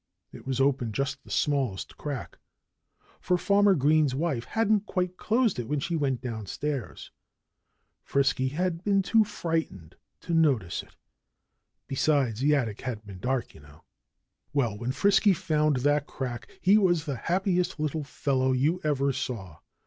It was open just the smallest crack, for Farmer Green's wife hadn't quite closed it when she went downstairs. Frisky had been too frightened to notice it. Besides, the attic had been dark, you know. Well, when Frisky found that crack he was the happiest little fellow you ever saw.